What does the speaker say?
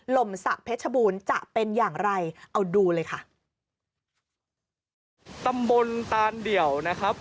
ลมศักดิ์เพชรบูรณ์จะเป็นอย่างไรเอาดูเลยค่ะตำบลตานเดี่ยวนะครับ